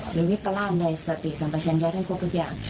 หรือวิกประล่างในสติสัมประชันแยะท่านพบทุกอย่าง